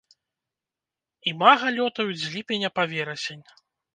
Імага лётаюць з ліпеня па верасень.